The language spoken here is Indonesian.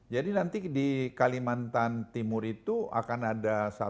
jadi nanti di kalimantan timur itu akan ada satu hal